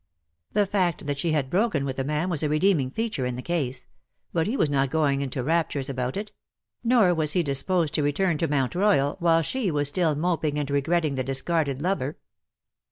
The fact that she had broken with the man was a redeeming feature in the case ; but he was not going into raptures about it ; nor was he disposed to return to Mount Royal while she was still moping and regretting the discarded lover.